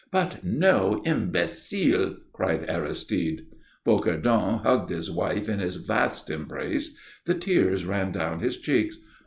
"But, no, imbecile!" cried Aristide. Bocardon hugged his wife in his vast embrace. The tears ran down his cheeks.